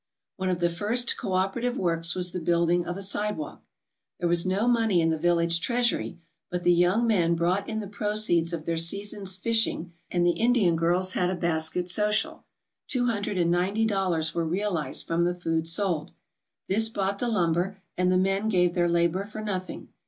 One of the first cooperative works was the building of a sidewalk. There was no money in th*e village treasury, but the young men brought in the proceeds of their sea son's fishing, and the Indian girls had a basket social. Two hundred and ninety dollars were realized from the food sold. This bought the lurtiber, and the men gave their labour for nothing.